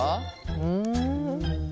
うん。